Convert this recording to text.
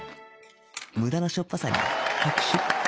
無駄なしょっぱさに拍手